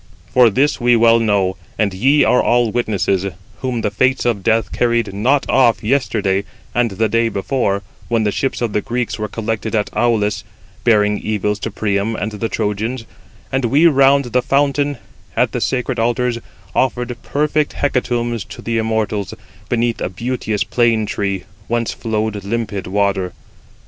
For this we well know, and ye are all witnesses, whom the Fates of death carried not off yesterday and the day before, when the ships of the Greeks were collected at Aulis, bearing evils to Priam and the Trojans, and we round about the fountain, at the sacred altars, offered perfect hecatombs to the immortals, beneath a beauteous plane tree, whence flowed limpid water.